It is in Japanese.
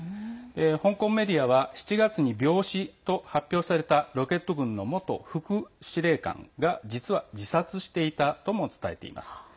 香港メディアは７月に病死と発表されたロケット軍の元副司令官が実は自殺していたとも伝えています。